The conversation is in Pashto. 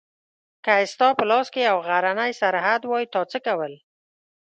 که ستا په لاس کې یو غرنی سرحد وای تا څه کول؟